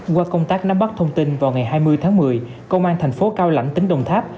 qua công tác nắm bắt thông tin vào ngày hai mươi tháng một mươi công an thành phố cao lãnh tỉnh đồng tháp